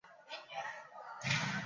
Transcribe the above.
天葵为毛茛科天葵属下的一个种。